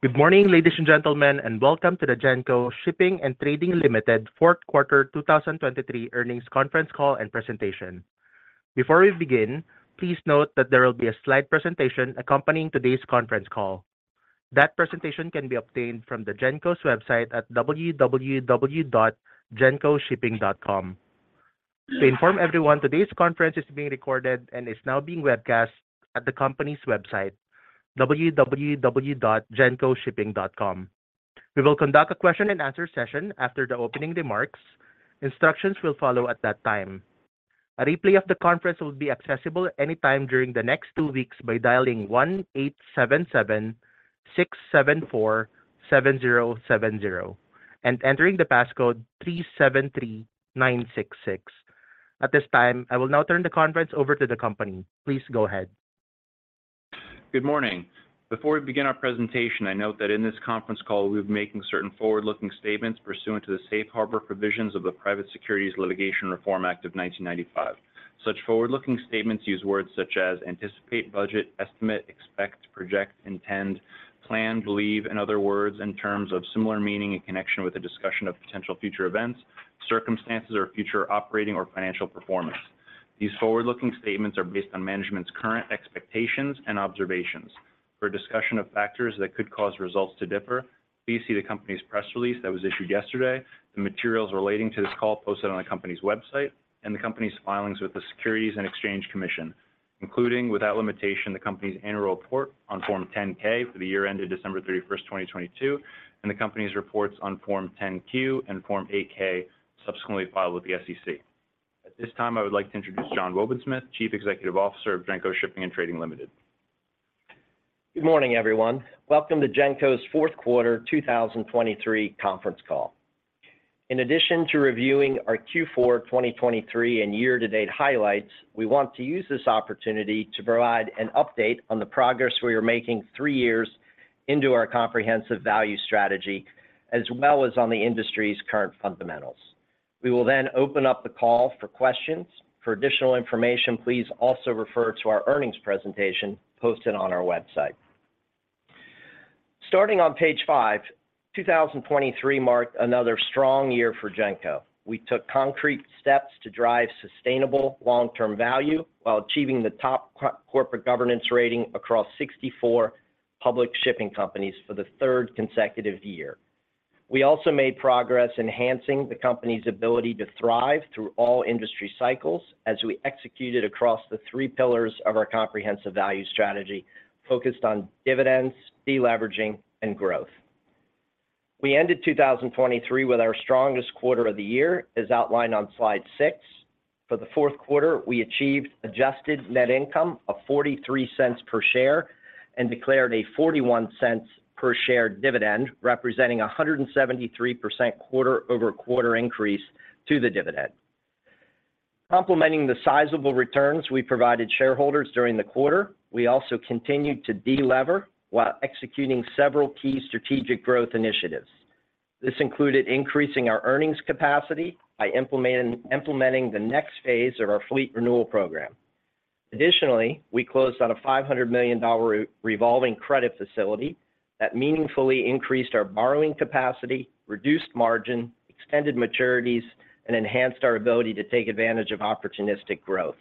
Good morning, ladies and gentlemen, and welcome to the Genco Shipping & Trading Limited 4th Quarter 2023 Earnings Conference Call and Presentation. Before we begin, please note that there will be a slide presentation accompanying today's conference call. That presentation can be obtained from the Genco's website at www.gencoshipping.com. To inform everyone, today's conference is being recorded and is now being webcast at the company's website, www.gencoshipping.com. We will conduct a question-and-answer session after the opening remarks. Instructions will follow at that time. A replay of the conference will be accessible anytime during the next 2 weeks by dialing 1-877-674-7070 and entering the passcode 373966. At this time, I will now turn the conference over to the company. Please go ahead. Good morning. Before we begin our presentation, I note that in this conference call we've been making certain forward-looking statements pursuant to the Safe Harbor Provisions of the Private Securities Litigation Reform Act of 1995. Such forward-looking statements use words such as anticipate, budget, estimate, expect, project, intend, plan, believe, in other words, in terms of similar meaning and connection with a discussion of potential future events, circumstances, or future operating or financial performance. These forward-looking statements are based on management's current expectations and observations. For a discussion of factors that could cause results to differ, please see the company's press release that was issued yesterday, the materials relating to this call posted on the company's website, and the company's filings with the Securities and Exchange Commission, including, without limitation, the company's annual report on Form 10-K for the year ended December 31st, 2022, and the company's reports on Form 10-Q and Form 8-K subsequently filed with the SEC. At this time, I would like to introduce John Wobensmith, Chief Executive Officer of Genco Shipping & Trading Limited. Good morning, everyone. Welcome to Genco's 4th Quarter 2023 Conference Call. In addition to reviewing our Q4 2023 and year-to-date highlights, we want to use this opportunity to provide an update on the progress we are making 3 years into our comprehensive value strategy, as well as on the industry's current fundamentals. We will then open up the call for questions. For additional information, please also refer to our earnings presentation posted on our website. Starting on page 5, 2023 marked another strong year for Genco. We took concrete steps to drive sustainable long-term value while achieving the top corporate governance rating across 64 public shipping companies for the third consecutive year. We also made progress enhancing the company's ability to thrive through all industry cycles as we executed across the three pillars of our comprehensive value strategy focused on dividends, deleveraging, and growth. We ended 2023 with our strongest quarter of the year, as outlined on slide six. For the fourth quarter, we achieved adjusted net income of $0.43 per share and declared a $0.41 per share dividend, representing a 173% quarter-over-quarter increase to the dividend. Complementing the sizable returns we provided shareholders during the quarter, we also continued to delever while executing several key strategic growth initiatives. This included increasing our earnings capacity by implementing the next phase of our fleet renewal program. Additionally, we closed on a $500 million revolving credit facility that meaningfully increased our borrowing capacity, reduced margin, extended maturities, and enhanced our ability to take advantage of opportunistic growth.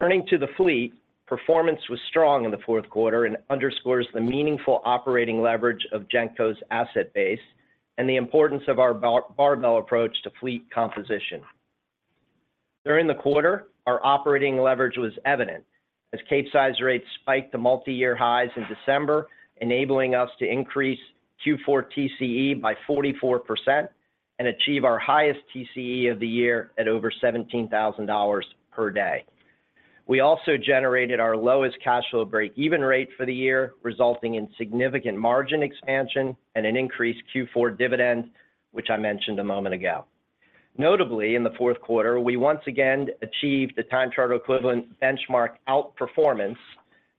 Turning to the fleet, performance was strong in the fourth quarter and underscores the meaningful operating leverage of Genco's asset base and the importance of our barbell approach to fleet composition. During the quarter, our operating leverage was evident as Capesize rates spiked to multi-year highs in December, enabling us to increase Q4 TCE by 44% and achieve our highest TCE of the year at over $17,000 per day. We also generated our lowest cash flow break-even rate for the year, resulting in significant margin expansion and an increased Q4 dividend, which I mentioned a moment ago. Notably, in the fourth quarter, we once again achieved the time charter equivalent benchmark outperformance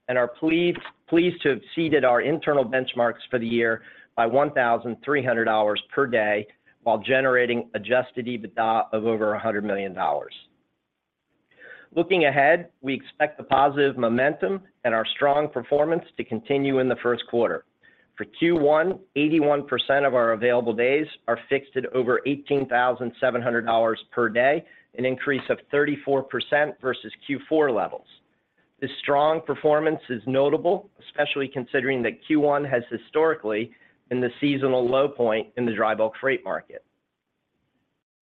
and are pleased to have exceeded our internal benchmarks for the year by $1,300 per day while generating adjusted EBITDA of over $100 million. Looking ahead, we expect the positive momentum and our strong performance to continue in the first quarter. For Q1, 81% of our available days are fixed at over $18,700 per day, an increase of 34% versus Q4 levels. This strong performance is notable, especially considering that Q1 has historically been the seasonal low point in the dry bulk freight market.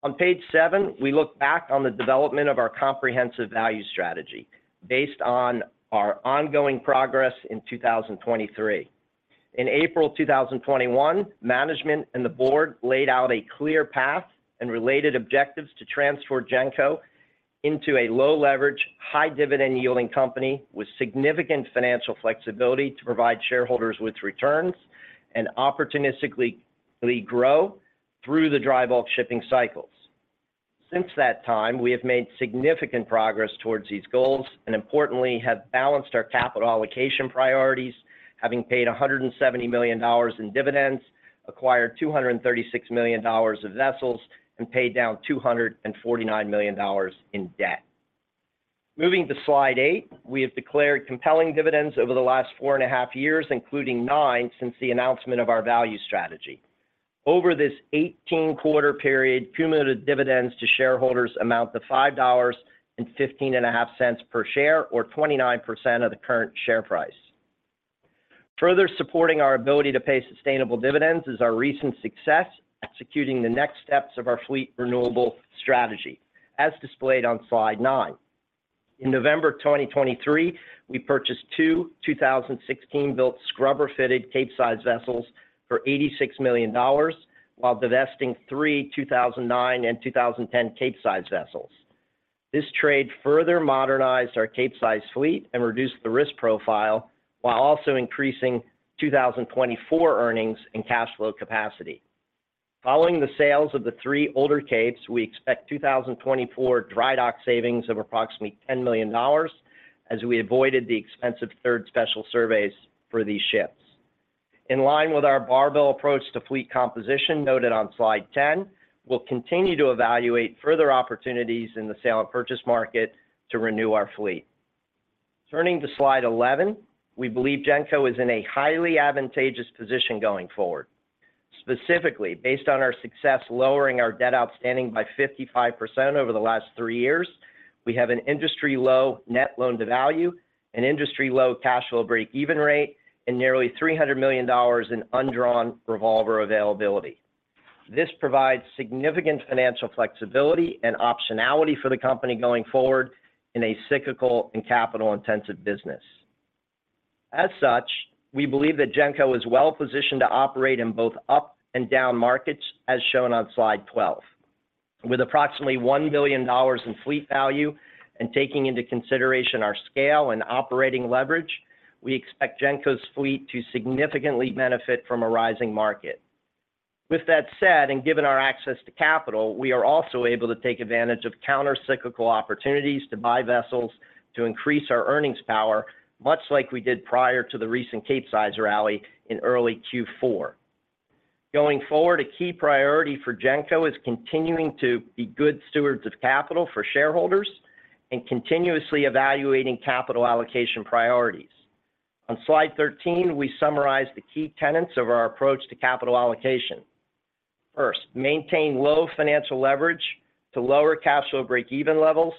On page seven, we look back on the development of our comprehensive value strategy based on our ongoing progress in 2023. In April 2021, management and the board laid out a clear path and related objectives to transform Genco into a low-leverage, high-dividend-yielding company with significant financial flexibility to provide shareholders with returns and opportunistically grow through the dry bulk shipping cycles. Since that time, we have made significant progress towards these goals and, importantly, have balanced our capital allocation priorities, having paid $170 million in dividends, acquired $236 million of vessels, and paid down $249 million in debt. Moving to slide 8, we have declared compelling dividends over the last four and a half years, including nine since the announcement of our value strategy. Over this 18-quarter period, cumulative dividends to shareholders amount to $5.15 per share, or 29% of the current share price. Further supporting our ability to pay sustainable dividends is our recent success executing the next steps of our fleet renewal strategy, as displayed on slide nine. In November 2023, we purchased two 2016-built scrubber-fitted Capesize vessels for $86 million while divesting three 2009 and 2010 Capesize vessels. This trade further modernized our Capesize fleet and reduced the risk profile while also increasing 2024 earnings and cash flow capacity. Following the sales of the three older Capesize vessels, we expect 2024 dry dock savings of approximately $10 million as we avoided the expensive third special surveys for these ships. In line with our barbell approach to fleet composition noted on slide 10, we'll continue to evaluate further opportunities in the sale and purchase market to renew our fleet. Turning to slide 11, we believe Genco is in a highly advantageous position going forward. Specifically, based on our success lowering our debt outstanding by 55% over the last three years, we have an industry-low net loan-to-value, an industry-low cash flow break-even rate, and nearly $300 million in undrawn revolver availability. This provides significant financial flexibility and optionality for the company going forward in a cyclical and capital-intensive business. As such, we believe that Genco is well positioned to operate in both up and down markets, as shown on slide 12. With approximately $1 million in fleet value and taking into consideration our scale and operating leverage, we expect Genco's fleet to significantly benefit from a rising market. With that said, and given our access to capital, we are also able to take advantage of counter-cyclical opportunities to buy vessels to increase our earnings power, much like we did prior to the recent Capesize rally in early Q4. Going forward, a key priority for Genco is continuing to be good stewards of capital for shareholders and continuously evaluating capital allocation priorities. On slide 13, we summarize the key tenets of our approach to capital allocation. First, maintain low financial leverage to lower cash flow break-even levels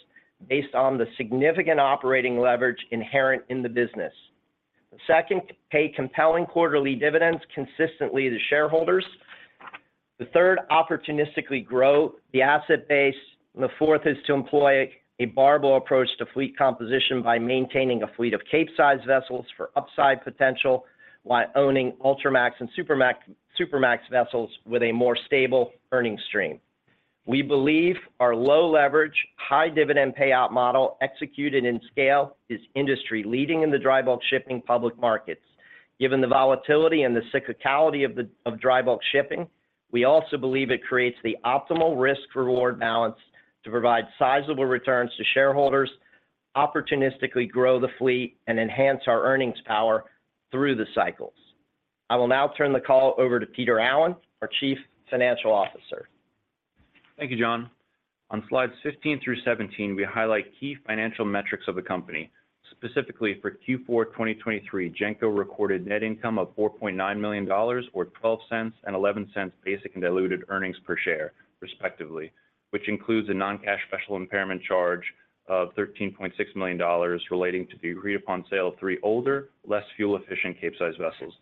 based on the significant operating leverage inherent in the business. The second, pay compelling quarterly dividends consistently to shareholders. The third, opportunistically grow the asset base. And the fourth is to employ a barbell approach to fleet composition by maintaining a fleet of Capesize vessels for upside potential while owning Ultramax and Supramax vessels with a more stable earnings stream. We believe our low-leverage, high-dividend payout model executed in scale is industry-leading in the dry bulk shipping public markets. Given the volatility and the cyclicality of dry bulk shipping, we also believe it creates the optimal risk-reward balance to provide sizable returns to shareholders, opportunistically grow the fleet, and enhance our earnings power through the cycles. I will now turn the call over to Peter Allen, our Chief Financial Officer. Thank you, John. On slides 15 through 17, we highlight key financial metrics of the company. Specifically, for Q4 2023, Genco recorded net income of $4.9 million, or $0.12 and $0.11 basic and diluted earnings per share, respectively, which includes a non-cash special impairment charge of $13.6 million relating to the agreed-upon sale of three older, less fuel-efficient Capesize vessels.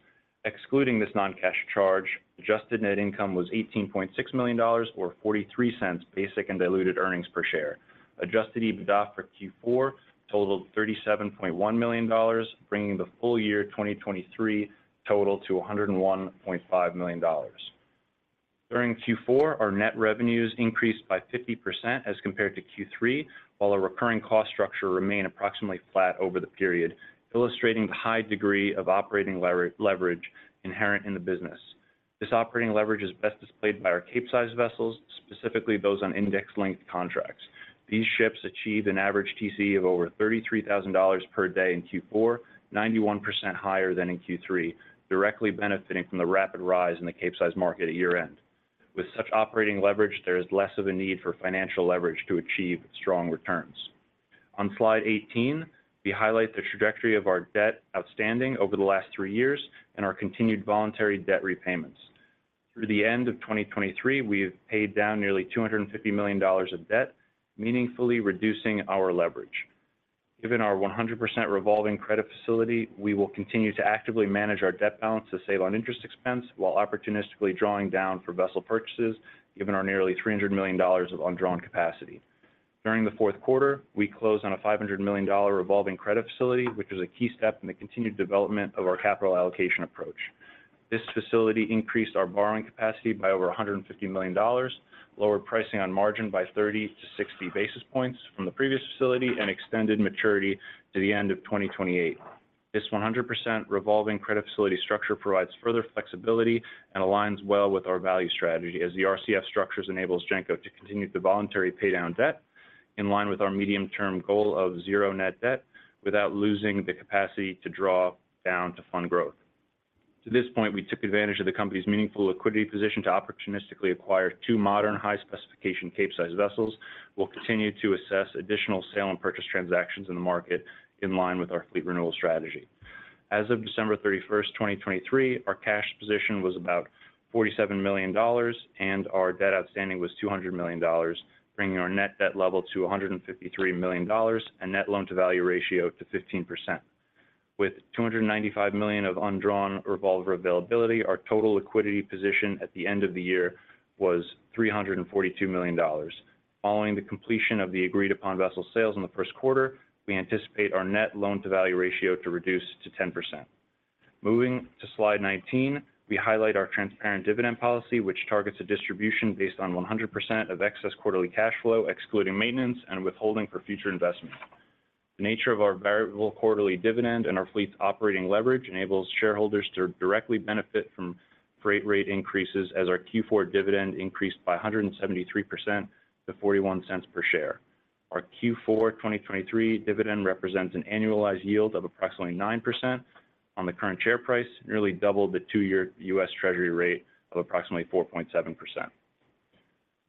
Excluding this non-cash charge, adjusted net income was $18.6 million, or $0.43 basic and diluted earnings per share. Adjusted EBITDA for Q4 totaled $37.1 million, bringing the full year 2023 total to $101.5 million. During Q4, our net revenues increased by 50% as compared to Q3, while our recurring cost structure remained approximately flat over the period, illustrating the high degree of operating leverage inherent in the business. This operating leverage is best displayed by our Capesize vessels, specifically those on index-linked contracts. These ships achieved an average TCE of over $33,000 per day in Q4, 91% higher than in Q3, directly benefiting from the rapid rise in the Capesize market at year-end. With such operating leverage, there is less of a need for financial leverage to achieve strong returns. On slide 18, we highlight the trajectory of our debt outstanding over the last three years and our continued voluntary debt repayments. Through the end of 2023, we have paid down nearly $250 million of debt, meaningfully reducing our leverage. Given our 100% revolving credit facility, we will continue to actively manage our debt balance to save on interest expense while opportunistically drawing down for vessel purchases, given our nearly $300 million of undrawn capacity. During the fourth quarter, we closed on a $500 million revolving credit facility, which was a key step in the continued development of our capital allocation approach. This facility increased our borrowing capacity by over $150 million, lowered pricing on margin by 30-60 basis points from the previous facility, and extended maturity to the end of 2028. This 100% revolving credit facility structure provides further flexibility and aligns well with our value strategy, as the RCF structures enable Genco to continue to voluntarily pay down debt in line with our medium-term goal of zero net debt without losing the capacity to draw down to fund growth. To this point, we took advantage of the company's meaningful liquidity position to opportunistically acquire two modern high-specification Capesize vessels. We'll continue to assess additional sale and purchase transactions in the market in line with our fleet renewal strategy. As of December 31, 2023, our cash position was about $47 million, and our debt outstanding was $200 million, bringing our net debt level to $153 million and net loan-to-value ratio to 15%. With $295 million of undrawn revolver availability, our total liquidity position at the end of the year was $342 million. Following the completion of the agreed-upon vessel sales in the first quarter, we anticipate our net loan-to-value ratio to reduce to 10%. Moving to slide 19, we highlight our transparent dividend policy, which targets a distribution based on 100% of excess quarterly cash flow, excluding maintenance and withholding for future investments. The nature of our variable quarterly dividend and our fleet's operating leverage enables shareholders to directly benefit from freight rate increases, as our Q4 dividend increased by 173% to $0.41 per share. Our Q4 2023 dividend represents an annualized yield of approximately 9% on the current share price, nearly double the two-year U.S. Treasury rate of approximately 4.7%.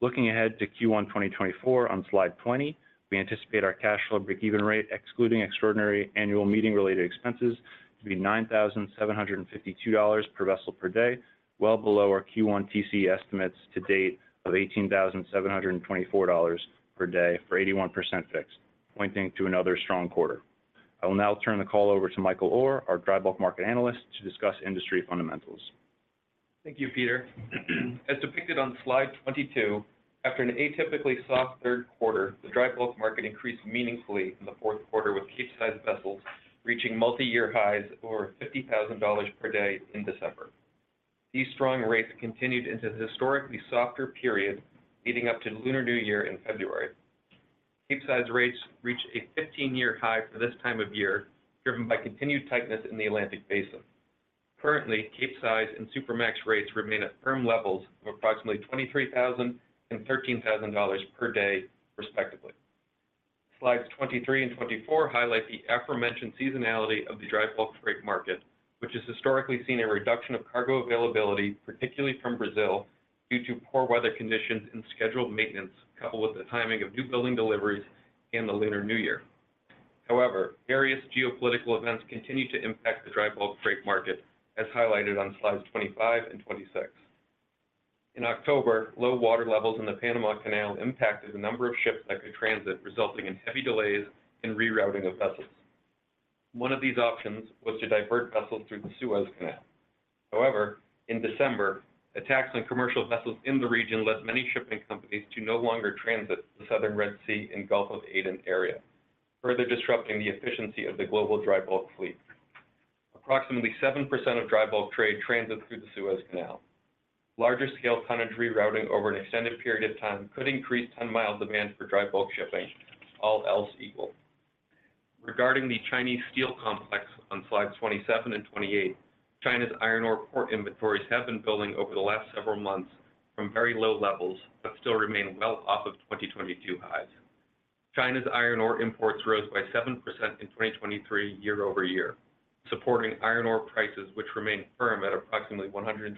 Looking ahead to Q1 2024, on slide 20, we anticipate our cash flow break-even rate, excluding extraordinary annual meeting-related expenses, to be $9,752 per vessel per day, well below our Q1 TCE estimates to date of $18,724 per day for 81% fixed, pointing to another strong quarter. I will now turn the call over to Michael Orr, our dry bulk market analyst, to discuss industry fundamentals. Thank you, Peter. As depicted on slide 22, after an atypically soft third quarter, the dry bulk market increased meaningfully in the fourth quarter, with Capesize vessels reaching multi-year highs over $50,000 per day in December. These strong rates continued into the historically softer period leading up to Lunar New Year in February. Capesize rates reach a 15-year high for this time of year, driven by continued tightness in the Atlantic Basin. Currently, Capesize and Supramax rates remain at firm levels of approximately $23,000 and $13,000 per day, respectively. Slides 23 and 24 highlight the aforementioned seasonality of the dry bulk freight market, which has historically seen a reduction of cargo availability, particularly from Brazil, due to poor weather conditions and scheduled maintenance coupled with the timing of new building deliveries and the Lunar New Year. However, various geopolitical events continue to impact the dry bulk freight market, as highlighted on slides 25 and 26. In October, low water levels in the Panama Canal impacted the number of ships that could transit, resulting in heavy delays and rerouting of vessels. One of these options was to divert vessels through the Suez Canal. However, in December, attacks on commercial vessels in the region led many shipping companies to no longer transit the Southern Red Sea and Gulf of Aden area, further disrupting the efficiency of the global dry bulk fleet. Approximately 7% of dry bulk trade transits through the Suez Canal. Larger-scale tonnage rerouting over an extended period of time could increase ton-mile demand for dry bulk shipping, all else equal. Regarding the Chinese steel complex, on slides 27 and 28, China's iron ore port inventories have been building over the last several months from very low levels but still remain well off of 2022 highs. China's iron ore imports rose by 7% in 2023 year-over-year, supporting iron ore prices, which remain firm at approximately $120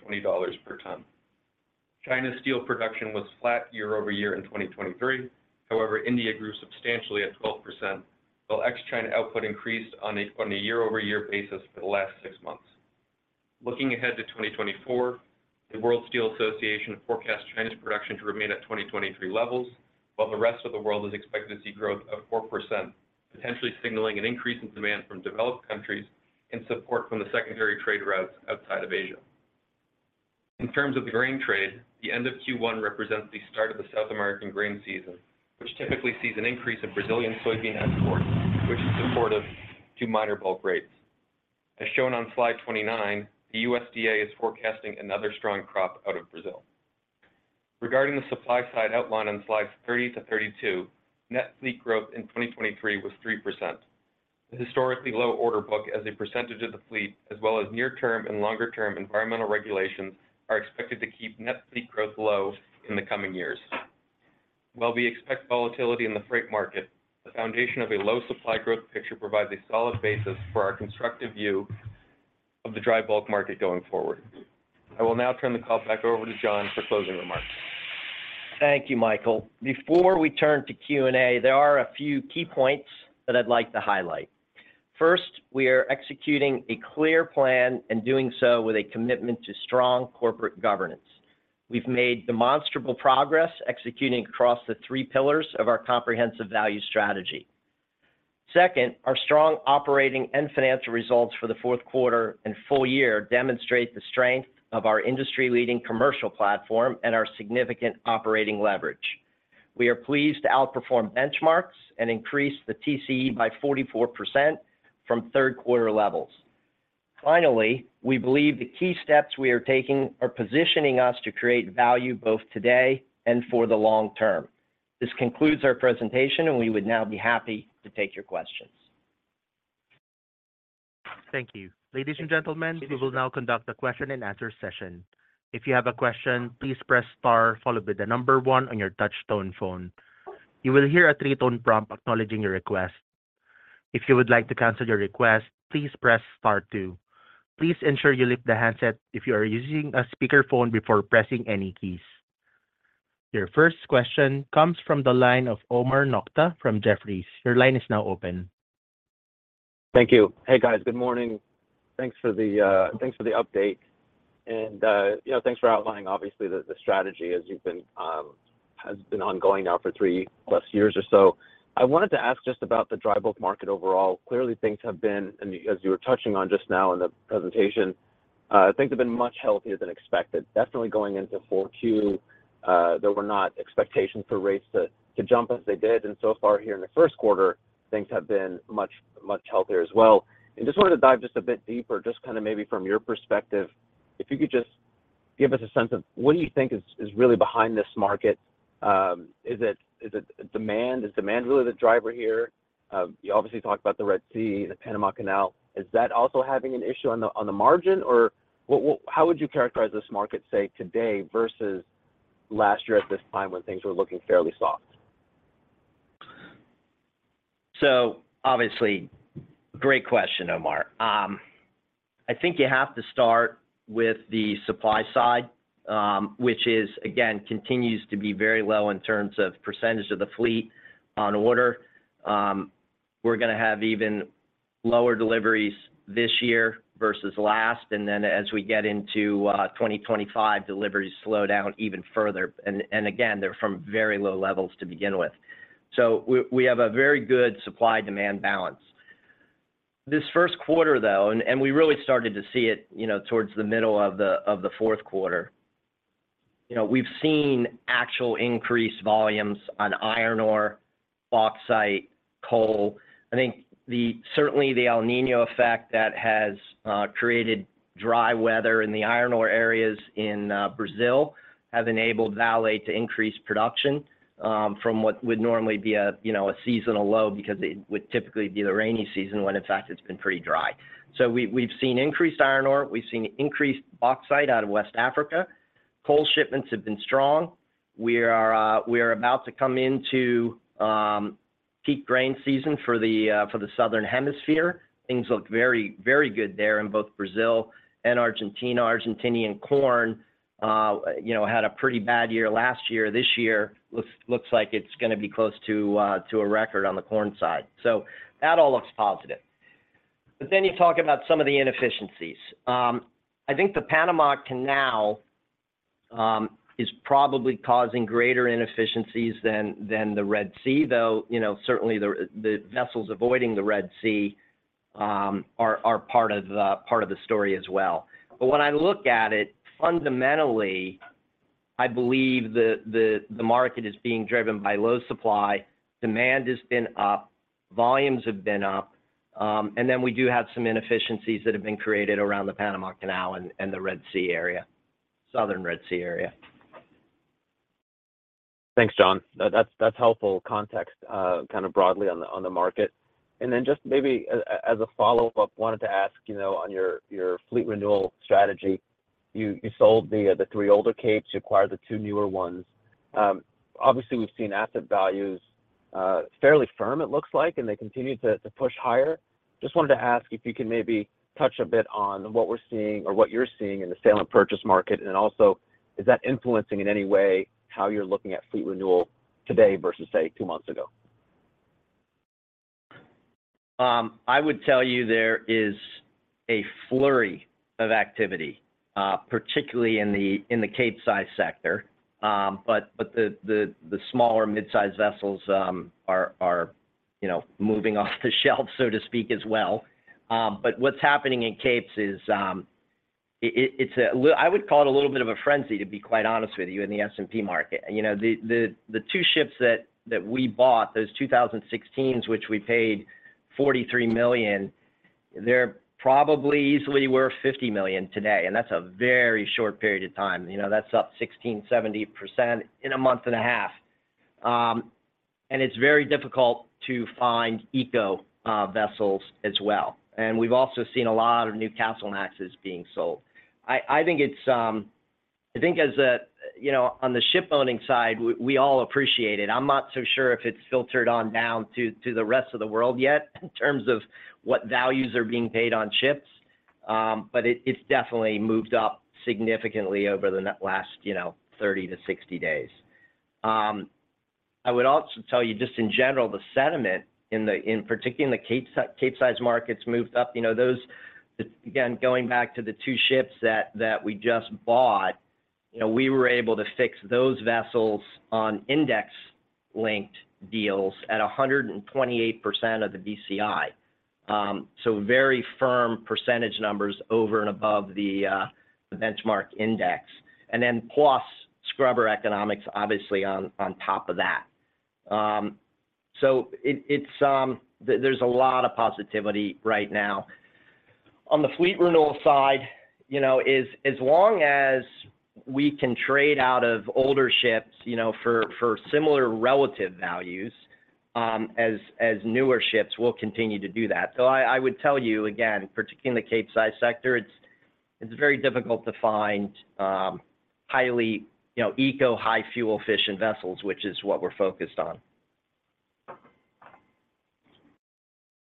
per ton. China's steel production was flat year-over-year in 2023. However, India grew substantially at 12%, while ex-China output increased on a year-over-year basis for the last six months. Looking ahead to 2024, the World Steel Association forecasts China's production to remain at 2023 levels, while the rest of the world is expected to see growth of 4%, potentially signaling an increase in demand from developed countries and support from the secondary trade routes outside of Asia. In terms of the grain trade, the end of Q1 represents the start of the South American grain season, which typically sees an increase in Brazilian soybean exports, which is supportive to minor bulk rates. As shown on slide 29, the USDA is forecasting another strong crop out of Brazil. Regarding the supply side outline on slides 30-32, net fleet growth in 2023 was 3%. The historically low order book, as a percentage of the fleet, as well as near-term and longer-term environmental regulations, are expected to keep net fleet growth low in the coming years. While we expect volatility in the freight market, the foundation of a low supply growth picture provides a solid basis for our constructive view of the dry bulk market going forward. I will now turn the call back over to John for closing remarks. Thank you, Michael. Before we turn to Q&A, there are a few key points that I'd like to highlight. First, we are executing a clear plan, and doing so with a commitment to strong corporate governance. We've made demonstrable progress executing across the three pillars of our comprehensive value strategy. Second, our strong operating and financial results for the fourth quarter and full year demonstrate the strength of our industry-leading commercial platform and our significant operating leverage. We are pleased to outperform benchmarks and increase the TCE by 44% from third-quarter levels. Finally, we believe the key steps we are taking are positioning us to create value both today and for the long term. This concludes our presentation, and we would now be happy to take your questions. Thank you. Ladies and gentlemen, we will now conduct a question-and-answer session. If you have a question, please press star followed by the number one on your touch-tone phone. You will hear a three-tone prompt acknowledging your request. If you would like to cancel your request, please press star two. Please ensure you lift the handset if you are using a speakerphone before pressing any keys. Your first question comes from the line of Omar Nokta from Jefferies. Your line is now open. Thank you. Hey, guys. Good morning. Thanks for the update. And thanks for outlining, obviously, the strategy, as it has been ongoing now for 3 years+ or so. I wanted to ask just about the dry bulk market overall. Clearly, things have been and as you were touching on just now in the presentation, things have been much healthier than expected. Definitely going into 4Q, there were not expectations for rates to jump as they did. And so far here in the first quarter, things have been much healthier as well. And just wanted to dive just a bit deeper, just kind of maybe from your perspective, if you could just give us a sense of what do you think is really behind this market? Is it demand? Is demand really the driver here? You obviously talked about the Red Sea, the Panama Canal. Is that also having an issue on the margin, or how would you characterize this market, say, today versus last year at this time when things were looking fairly soft? So obviously, great question, Omar. I think you have to start with the supply side, which, again, continues to be very low in terms of percentage of the fleet on order. We're going to have even lower deliveries this year versus last. And then as we get into 2025, deliveries slow down even further. And again, they're from very low levels to begin with. So we have a very good supply-demand balance. This first quarter, though, and we really started to see it towards the middle of the fourth quarter. We've seen actual increased volumes on iron ore, bauxite, coal. I think certainly the El Niño effect that has created dry weather in the iron ore areas in Brazil have enabled Vale to increase production from what would normally be a seasonal low because it would typically be the rainy season when, in fact, it's been pretty dry. So we've seen increased iron ore. We've seen increased bauxite out of West Africa. Coal shipments have been strong. We are about to come into peak grain season for the Southern Hemisphere. Things look very good there in both Brazil and Argentina. Argentinian corn had a pretty bad year last year. This year, looks like it's going to be close to a record on the corn side. So that all looks positive. But then you talk about some of the inefficiencies. I think the Panama Canal is probably causing greater inefficiencies than the Red Sea, though certainly the vessels avoiding the Red Sea are part of the story as well. But when I look at it, fundamentally, I believe the market is being driven by low supply. Demand has been up. Volumes have been up. We do have some inefficiencies that have been created around the Panama Canal and the Red Sea area, Southern Red Sea area. Thanks, John. That's helpful context kind of broadly on the market. And then just maybe as a follow-up, wanted to ask on your fleet renewal strategy. You sold the three older capes. You acquired the two newer ones. Obviously, we've seen asset values fairly firm, it looks like, and they continue to push higher. Just wanted to ask if you can maybe touch a bit on what we're seeing or what you're seeing in the sale and purchase market. And also, is that influencing in any way how you're looking at fleet renewal today versus, say, two months ago? I would tell you there is a flurry of activity, particularly in the Capesize sector. But the smaller midsize vessels are moving off the shelves, so to speak, as well. But what's happening in Capesize is it's a I would call it a little bit of a frenzy, to be quite honest with you, in the S&P market. The two ships that we bought, those 2016s, which we paid $43 million, they probably easily were $50 million today. And that's a very short period of time. That's up 16.7% in a month and a half. And it's very difficult to find eco-vessels as well. And we've also seen a lot of new Capesizes being sold. I think it's as a on the ship-owning side, we all appreciate it. I'm not so sure if it's filtered on down to the rest of the world yet in terms of what values are being paid on ships. But it's definitely moved up significantly over the last 30 days-60 days. I would also tell you, just in general, the sentiment, in particular in the Capesize markets, moved up. Again, going back to the two ships that we just bought, we were able to fix those vessels on index-linked deals at 128% of the BCI. So very firm percentage numbers over and above the benchmark index, and then plus scrubber economics, obviously, on top of that. So there's a lot of positivity right now. On the fleet renewal side, as long as we can trade out of older ships for similar relative values as newer ships, we'll continue to do that. Though I would tell you, again, particularly in the Capesize sector, it's very difficult to find highly eco, high-fuel-efficient ships and vessels, which is what we're focused on.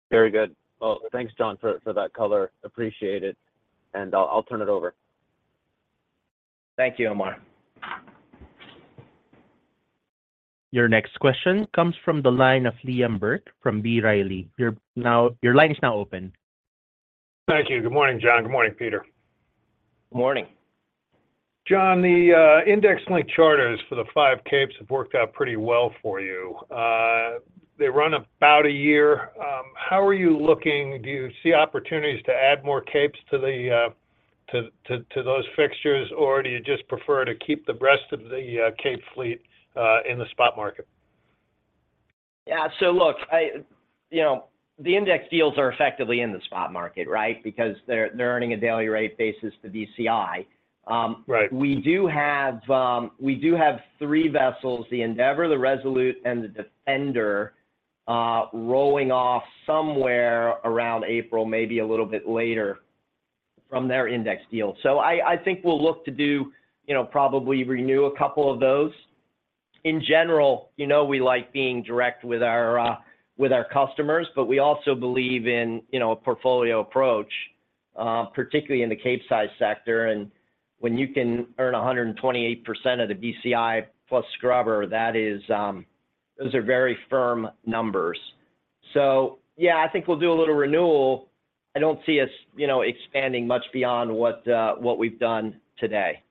Very good. Well, thanks, John, for that color. Appreciate it. I'll turn it over. Thank you, Omar. Your next question comes from the line of Liam Burke from B. Riley. Your line is now open. Thank you. Good morning, John. Good morning, Peter. Good morning. John, the index-linked charters for the five capes have worked out pretty well for you. They run about a year. How are you looking? Do you see opportunities to add more capes to those fixtures, or do you just prefer to keep the rest of the cape fleet in the spot market? Yeah. So look, the index deals are effectively in the spot market, right, because they're earning a daily rate basis to BCI. We do have three vessels, the Endeavour, the Resolute, and the Defender, rolling off somewhere around April, maybe a little bit later, from their index deal. So I think we'll look to probably renew a couple of those. In general, we like being direct with our customers, but we also believe in a portfolio approach, particularly in the Capesize sector. And when you can earn 128% of the BCI plus scrubber, those are very firm numbers. So yeah, I think we'll do a little renewal. I don't see us expanding much beyond what we've done today.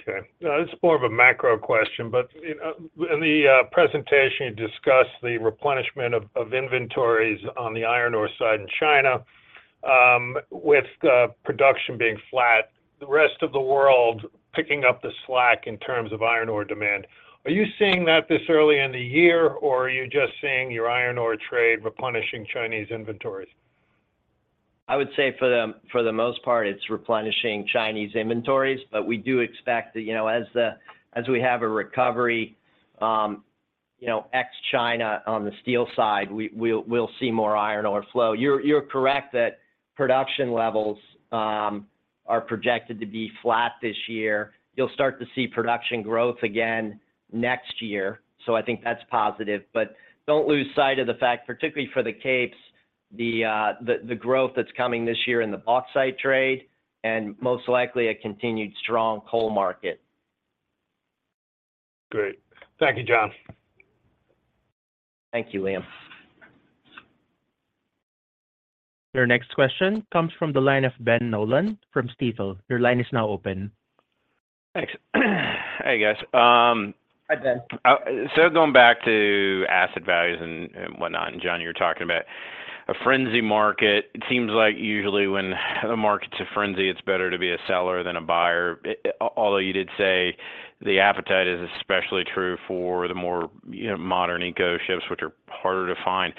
Okay. This is more of a macro question, but in the presentation, you discussed the replenishment of inventories on the iron ore side in China, with production being flat, the rest of the world picking up the slack in terms of iron ore demand. Are you seeing that this early in the year, or are you just seeing your iron ore trade replenishing Chinese inventories? I would say for the most part, it's replenishing Chinese inventories. But we do expect that as we have a recovery ex-China on the steel side, we'll see more iron ore flow. You're correct that production levels are projected to be flat this year. You'll start to see production growth again next year. So I think that's positive. But don't lose sight of the fact, particularly for the capes, the growth that's coming this year in the bauxite trade and most likely a continued strong coal market. Great. Thank you, John. Thank you, Liam. Your next question comes from the line of Ben Nolan from Stifel. Your line is now open. Thanks. Hey, guys. Hi, Ben. So going back to asset values and whatnot, and John, you were talking about a frenzy market. It seems like usually when the market's a frenzy, it's better to be a seller than a buyer, although you did say the appetite is especially true for the more modern eco-ships, which are harder to find.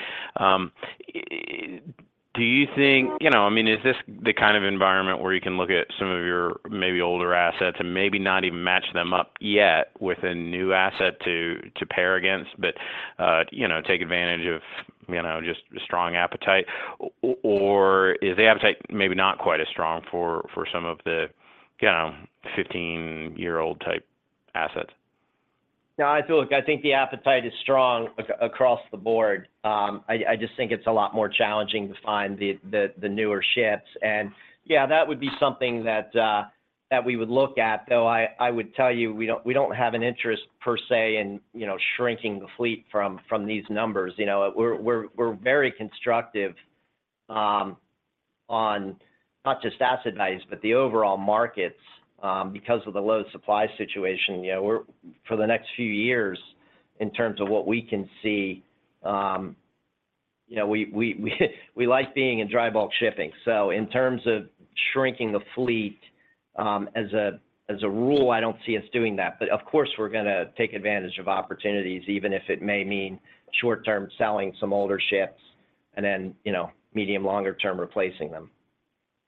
Do you think I mean, is this the kind of environment where you can look at some of your maybe older assets and maybe not even match them up yet with a new asset to pair against but take advantage of just a strong appetite? Or is the appetite maybe not quite as strong for some of the 15-year-old type assets? Yeah. Look, I think the appetite is strong across the board. I just think it's a lot more challenging to find the newer ships. And yeah, that would be something that we would look at. Though I would tell you, we don't have an interest, per se, in shrinking the fleet from these numbers. We're very constructive on not just asset values but the overall markets because of the low supply situation. For the next few years, in terms of what we can see, we like being in dry bulk shipping. So in terms of shrinking the fleet as a rule, I don't see us doing that. But of course, we're going to take advantage of opportunities, even if it may mean short-term selling some older ships and then medium, longer-term replacing them.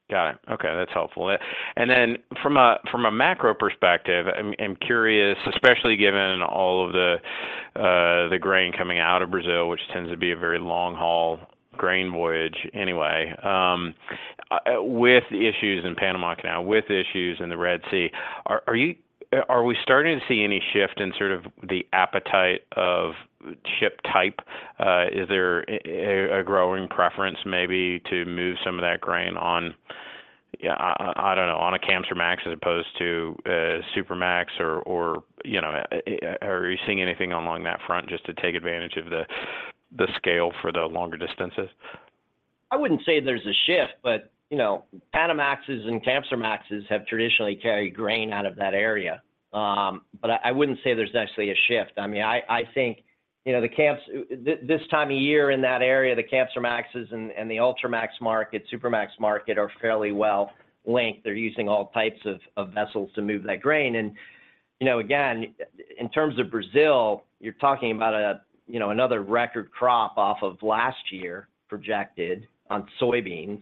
Got it. Okay. That's helpful. And then from a macro perspective, I'm curious, especially given all of the grain coming out of Brazil, which tends to be a very long-haul grain voyage anyway, with issues in Panama Canal, with issues in the Red Sea, are we starting to see any shift in sort of the appetite of ship type? Is there a growing preference maybe to move some of that grain on, I don't know, on a Capesize as opposed to Supramax? Or are you seeing anything along that front just to take advantage of the scale for the longer distances? I wouldn't say there's a shift, but Panamaxes and Capesizes have traditionally carried grain out of that area. But I wouldn't say there's actually a shift. I mean, I think the Capes this time of year in that area, the Capesizes and the Ultramax market, Supramax market are fairly well linked. They're using all types of vessels to move that grain. And again, in terms of Brazil, you're talking about another record crop off of last year projected on soybeans.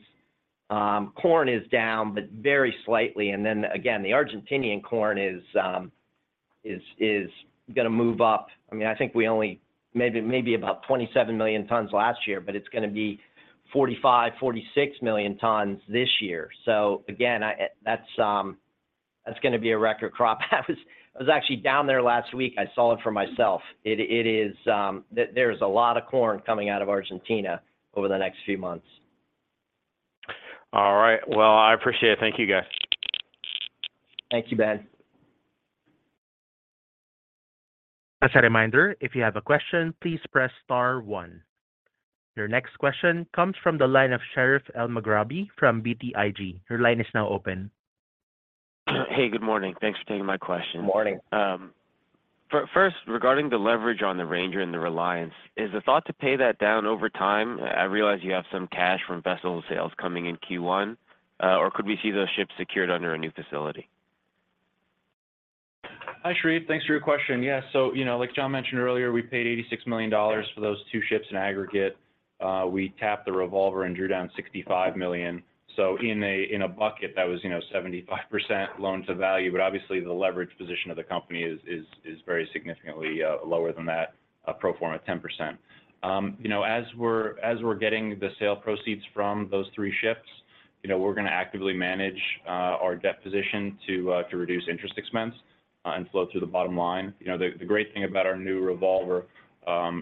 Corn is down but very slightly. And then again, the Argentinian corn is going to move up. I mean, I think we only maybe about 27 million tons last year, but it's going to be 45, 46 million tons this year. So again, that's going to be a record crop. I was actually down there last week. I saw it for myself. There's a lot of corn coming out of Argentina over the next few months. All right. Well, I appreciate it. Thank you, guys. Thank you, Ben. As a reminder, if you have a question, please press star one. Your next question comes from the line of Sherif Elmaghrabi from BTIG. Your line is now open. Hey, good morning. Thanks for taking my question. Good morning. First, regarding the leverage on the Ranger and the Reliance, is the thought to pay that down over time? I realize you have some cash from vessel sales coming in Q1. Or could we see those ships secured under a new facility? Hi, Sherif. Thanks for your question. Yeah. So like John mentioned earlier, we paid $86 million for those two ships in aggregate. We tapped the revolver and drew down $65 million. So in a bucket, that was 75% loan-to-value. But obviously, the leverage position of the company is very significantly lower than that, pro forma 10%. As we're getting the sale proceeds from those three ships, we're going to actively manage our debt position to reduce interest expense and flow through the bottom line. The great thing about our new revolver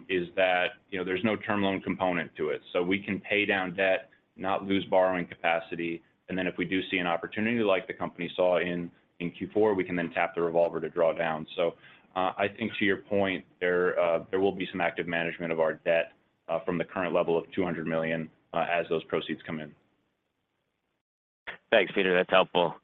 is that there's no term loan component to it. So we can pay down debt, not lose borrowing capacity. And then if we do see an opportunity, like the company saw in Q4, we can then tap the revolver to draw down. So I think to your point, there will be some active management of our debt from the current level of $200 million as those proceeds come in. Thanks, Peter. That's helpful.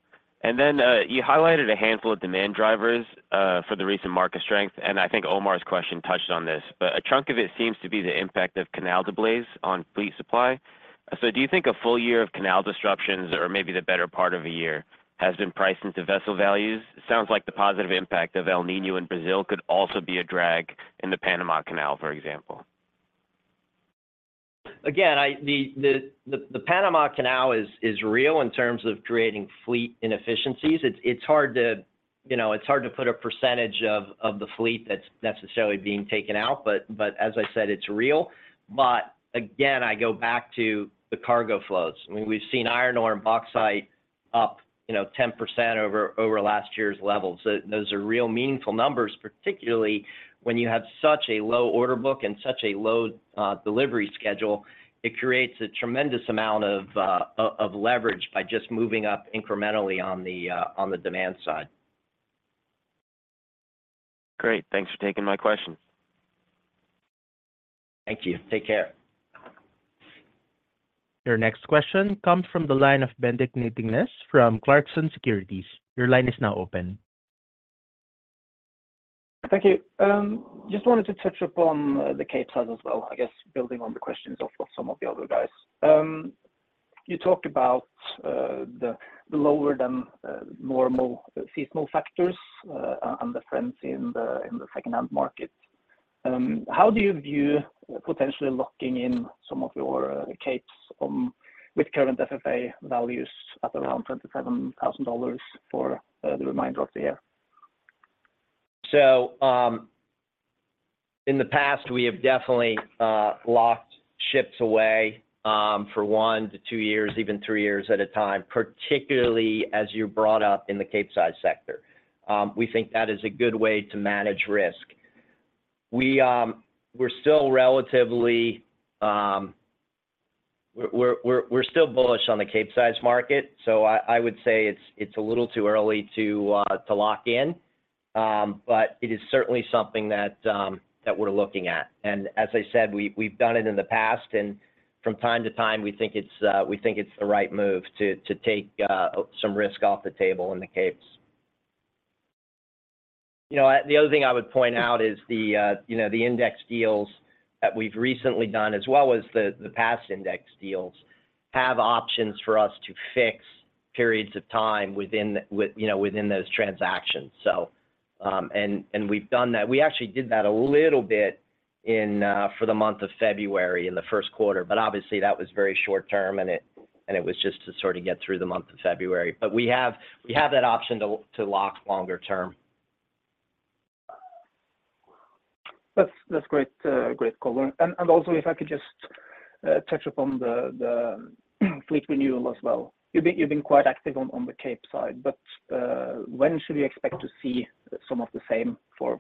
Then you highlighted a handful of demand drivers for the recent market strength. I think Omar's question touched on this. But a chunk of it seems to be the impact of canal delays on fleet supply. So do you think a full year of canal disruptions or maybe the better part of a year has been priced into vessel values? Sounds like the positive impact of El Niño in Brazil could also be a drag in the Panama Canal, for example. Again, the Panama Canal is real in terms of creating fleet inefficiencies. It's hard to put a percentage of the fleet that's necessarily being taken out. But as I said, it's real. But again, I go back to the cargo flows. I mean, we've seen iron ore and bauxite up 10% over last year's levels. Those are real meaningful numbers, particularly when you have such a low order book and such a low delivery schedule. It creates a tremendous amount of leverage by just moving up incrementally on the demand side. Great. Thanks for taking my question. Thank you. Take care. Your next question comes from the line of Benedict Nyttingnes from Clarksons Securities. Your line is now open. Thank you. Just wanted to touch upon the Capesize as well, I guess, building on the questions of some of the other guys. You talked about the lower-than-normal sea smoke factors and the frenzy in the second-hand market. How do you view potentially locking in some of your Capesizes with current FFA values at around $27,000 for the remainder of the year? So in the past, we have definitely locked ships away for one to two years, even three years at a time, particularly as you brought up in the Capesize sector. We think that is a good way to manage risk. We're still relatively bullish on the Capesize market. So I would say it's a little too early to lock in. But it is certainly something that we're looking at. And as I said, we've done it in the past. And from time to time, we think it's the right move to take some risk off the table in the Capesize. The other thing I would point out is the index deals that we've recently done, as well as the past index deals, have options for us to fix periods of time within those transactions. And we've done that. We actually did that a little bit for the month of February in the first quarter. But obviously, that was very short-term, and it was just to sort of get through the month of February. But we have that option to lock longer-term. That's great color. Also, if I could just touch upon the fleet renewal as well. You've been quite active on the Capesize side. When should we expect to see some of the same for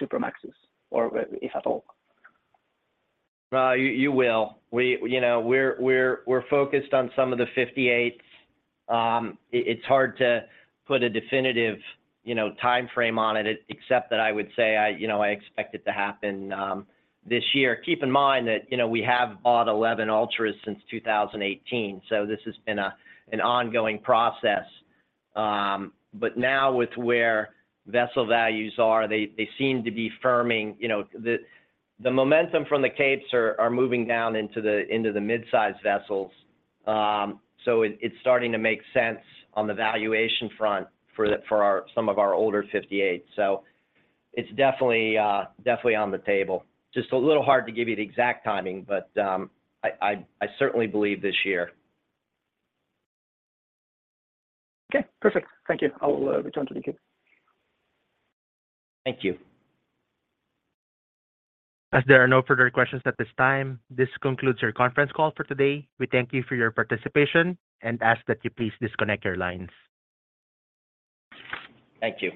Supramaxes, or if at all? You will. We're focused on some of the 58s. It's hard to put a definitive timeframe on it, except that I would say I expect it to happen this year. Keep in mind that we have bought 11 Ultras since 2018. So this has been an ongoing process. But now with where vessel values are, they seem to be firming. The momentum from the capes are moving down into the midsize vessels. So it's starting to make sense on the valuation front for some of our older 58s. So it's definitely on the table. Just a little hard to give you the exact timing, but I certainly believe this year. Okay. Perfect. Thank you. I'll return to the capes. Thank you. As there are no further questions at this time, this concludes our conference call for today. We thank you for your participation and ask that you please disconnect your lines. Thank you.